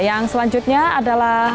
ya yang selanjutnya adalah